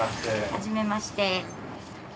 はじめまして。